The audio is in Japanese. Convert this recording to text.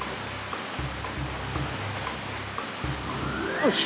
よし！